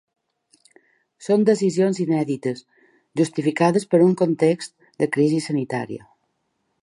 Són decisions inèdites, justificades per un context de crisi sanitària.